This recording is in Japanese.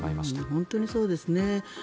本当にそうですね。